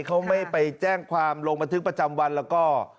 เขาไม่ไปแจ้งความลงบันทึกประจำวันแล้วก็